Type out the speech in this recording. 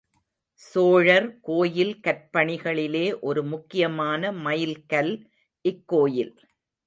சோழர் கோயில் கற்பணிகளிலே ஒரு முக்கியமான மைல் கல் இக்கோயில்.